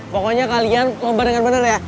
pokoknya kalian lomba dengan benar ya